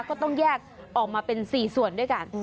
ก็ต้องแยกออกมาเป็น๔ส่วนด้วยกัน